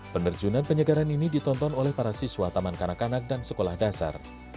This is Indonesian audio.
penerjunan penyegaran ini ditonton oleh para siswa taman kanak kanak dan sekolah dasar